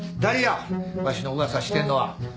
わしの噂してんのは？